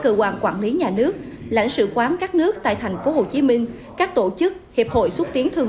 cơ quan quản lý nhà nước lãnh sự quán các nước tại tp hcm các tổ chức hiệp hội xuất tiến thương